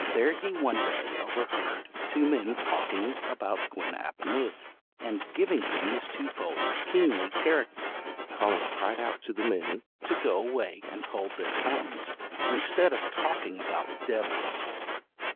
There he one day overheard two men talking about Gwyn ap Nudd, and giving him this twofold kingly character. Collen cried out to the men to go away and hold their tongues, instead of talking about devils.